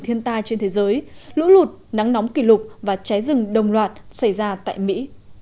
của ai trên thế giới lũ lụt nắng nóng kỷ lục và trái rừng đông loạt xảy ra tại mỹ